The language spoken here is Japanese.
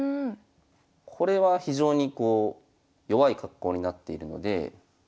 これは非常にこう弱い格好になっているので。